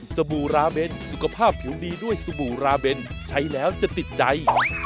บู่ราเบนสุขภาพผิวดีด้วยสบู่ราเบนใช้แล้วจะติดใจ